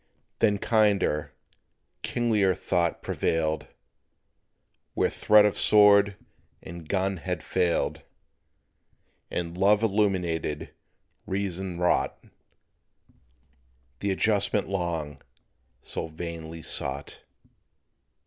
Then kinder, kinglier thought prevailed, Where threat of sword and gun had failed; And love illumined reason wrought The adjustment long so vainly sought.